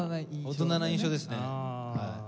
大人な印象ですねはい。